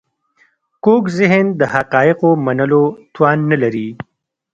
کوږ ذهن د حقایقو منلو توان نه لري